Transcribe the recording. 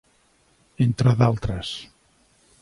entre d'altres.